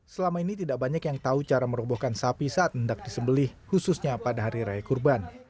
selama ini tidak banyak yang tahu cara merobohkan sapi saat mendak disembelih khususnya pada hari raya kurban